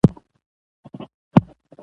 افغانستان کرهنې ته لازمه توجه وشي